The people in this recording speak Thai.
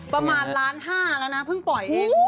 ประมาณล้านห้าแล้วนะเพิ่งปล่อยเอง